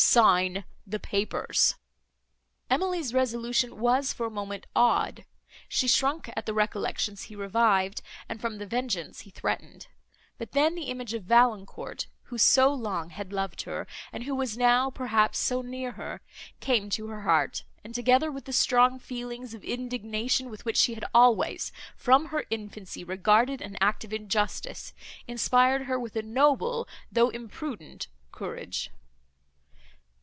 —Sign the papers." Emily's resolution was for a moment awed:—she shrunk at the recollections he revived, and from the vengeance he threatened; but then, the image of Valancourt, who so long had loved her, and who was now, perhaps, so near her, came to her heart, and, together with the strong feelings of indignation, with which she had always, from her infancy, regarded an act of injustice, inspired her with a noble, though imprudent, courage.